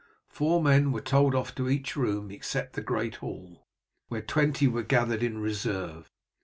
Four men were told off to each room except the great hall, where twenty were gathered in reserve.